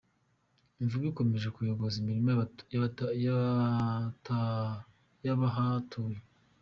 Imvubu ikomeje kuyogoza imirima y’abahatuye